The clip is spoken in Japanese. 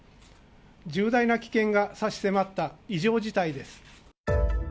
重大な危険が差し迫った異常事態です。